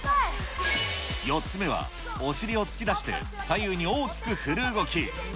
４つ目は、お尻を突き出して左右に大きく振る動き。